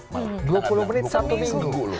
dua puluh menit satu minggu